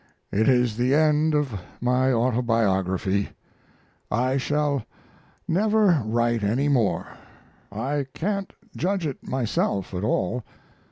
"It is the end of my autobiography. I shall never write any more. I can't judge it myself at all.